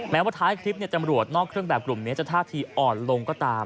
แม้ว่าท้ายคลิปตำรวจนอกเครื่องแบบกลุ่มนี้จะท่าทีอ่อนลงก็ตาม